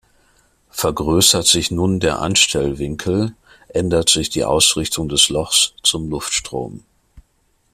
Vergrößert sich nun der Anstellwinkel, ändert sich die Ausrichtung des Lochs zum Luftstrom.